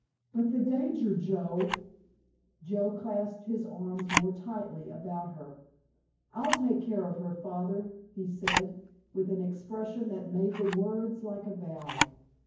"But the danger, Joe——" Joe clasped his arms more tightly about her. "I'll take care of her, Father," he said, with an expression that made the words like a vow.